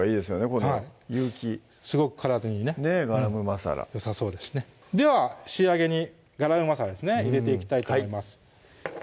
この有機すごく体にねよさそうですしねでは仕上げにガラムマサラですね入れていきたいと思います